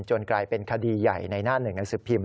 กลายเป็นคดีใหญ่ในหน้าหนึ่งหนังสือพิมพ